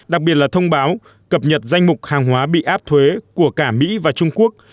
đặc biệt là thông báo cập nhật danh mục hàng hóa bị áp thuế của cả mỹ và trung quốc